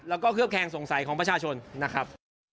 แล้วก็เคลือบแคงสงสัยของประชาชนนะครับ